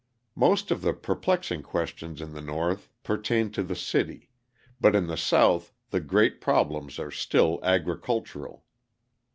Most of the perplexing questions in the North pertain to the city, but in the South the great problems are still agricultural.